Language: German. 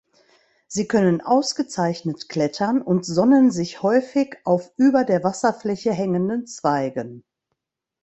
Sie können ausgezeichnet klettern und sonnen sich häufig auf über der Wasserfläche hängenden Zweigen.